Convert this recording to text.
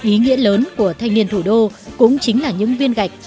ý nghĩa lớn của thanh niên thủ đô cũng chính là những viên gạch